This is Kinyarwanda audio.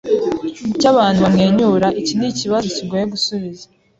Kuki abantu bamwenyura? Iki nikibazo kigoye gusubiza.